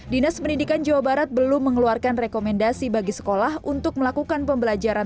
dinas pendidikan jawa barat belum mengeluarkan rekomendasi bagi sekolah untuk melakukan pembelajaran